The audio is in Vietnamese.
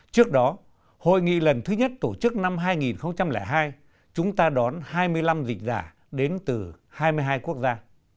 trước đó hội nghị lần thứ nhất tổ chức năm hai nghìn hai chúng ta đón hai mươi năm dịch giả đến từ hai mươi hai quốc gia